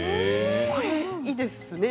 これ、いいですね。